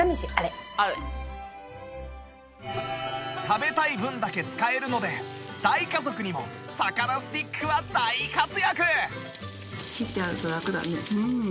食べたい分だけ使えるので大家族にも魚スティックは大活躍！